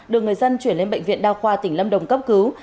được người dân chuyển lên bệnh viện đa khoa tỉnh lâm đồng cấp cứu